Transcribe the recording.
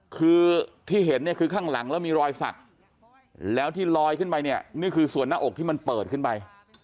คือที่เห็นเนี่ยคือข้างหลังแล้วมีรอยสักแล้วที่ลอยขึ้นไปเนี่ยนี่คือส่วนหน้าอกที่มันเปิดขึ้นไป